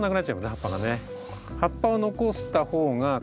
葉っぱがね。